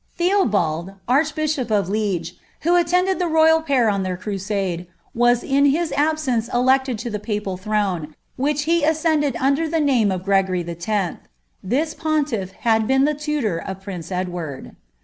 Theobald, archbishop of Li«^, vbo attended the royal pair on ibeir crusade, was in his absence elected ts the papal tliroue, wliich lie ascended under the najne of Gngvrj X> This pontilT had been the tutor of prince Edward.